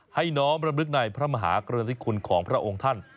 น้อมรำลึกในพระมหากรณิคุณของพระองค์ท่าน